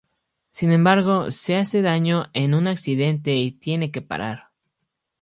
Sin embargo, se hace daño en un accidente y tiene que parar.